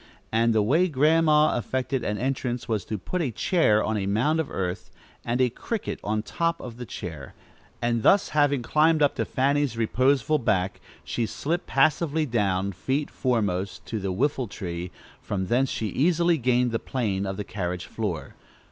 And the way Grandma effected an entrance was to put a chair on a mound of earth, and a cricket on top of the chair, and thus, having climbed up to Fanny's reposeful back, she slipped passively down, feet foremost, to the whiffle tree; from thence she easily gained the plane of the carriage floor.